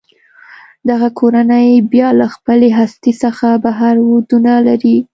دغه کورنۍ بیا له خپلې هستې څخه بهر ودونه لري.